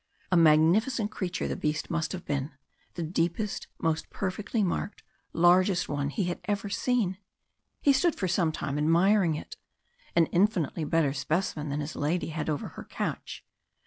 A magnificent creature the beast must have been. The deepest, most perfectly marked, largest one he had ever seen. He stood for some time admiring it. An infinitely better specimen than his lady had over her couch.